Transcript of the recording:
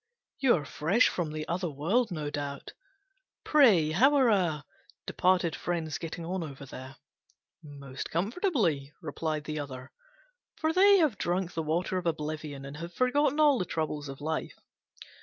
You are fresh from the other world, no doubt. Pray, how are our departed friends getting on there?" "Most comfortably," replied the other, "for they have drunk the water of oblivion, and have forgotten all the troubles of life.